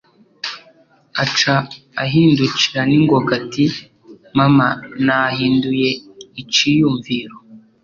Aca ahindukira ningoga, ati: Mama, nahinduye iciyumviro.